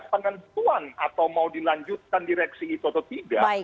penentuan atau mau dilanjutkan direksi itu atau tidak